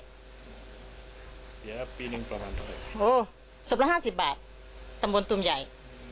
เสียปีนึงประมาณนี้สบละ๕๐บาทตำบลตรุมใหญ่